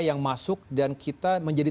yang masuk dan kita menjadi